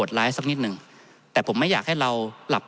ท่านประธานครับนี่คือสิ่งที่สุดท้ายของท่านครับ